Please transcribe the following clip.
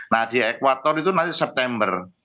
nah di ekwator itu nanti september